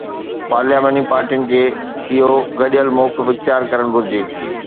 پارلياماني پارٽين کي اهو گڏيل موقف اختيار ڪرڻ گهرجي.